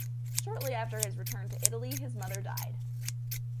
Shortly after his return to Italy, his mother died.